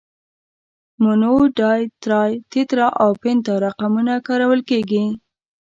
مونو، ډای، ترای، تترا او پنتا رقمونه کارول کیږي.